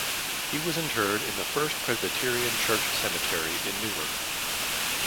He was interred in the First Presbyterian Church Cemetery in Newark.